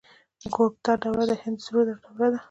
د ګوپتا دوره د هند د سرو زرو دوره وه.